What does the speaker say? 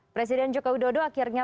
presiden jokowi dodo akhirnya